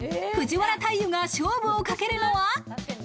藤原大祐が勝負をかけるのは。